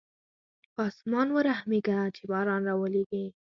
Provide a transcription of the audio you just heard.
په اسمان ورحمېږه چې باران راولېږي.